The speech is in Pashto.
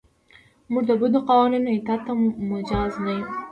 موږ د بدو قوانینو اطاعت ته مجاز نه یو.